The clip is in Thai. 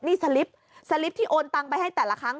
นี่สลิปสลิปที่โอนตังไปให้แต่ละครั้ง